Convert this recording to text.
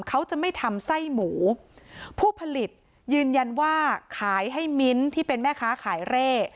เขาจะไม่ทำไส้หมูผู้ผลิตยืนยันว่าขายให้มิ้นที่เป็นแม่ค้าขายเร่